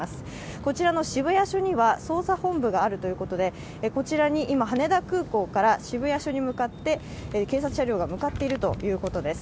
こちらの渋谷署には捜査本部があるということで、こちらに今、羽田空港から渋谷署に警察車両が向かっているということです。